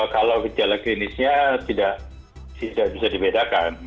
kalau gejala klinisnya tidak bisa dibedakan